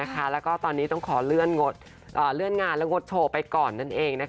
แล้วก็ตอนนี้ต้องขอเลื่อนงานและงดโชว์ไปก่อนนั่นเอง